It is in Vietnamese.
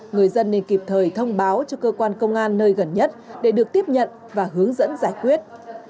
người dân nên kịp thời thông báo cho cơ quan công an nơi gần nhất để được tiếp nhận và hướng dẫn giải quyết